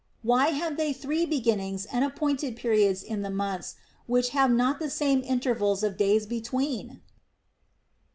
Why have they three beginnings and ap pointed periods in the months which have not the same interval of days between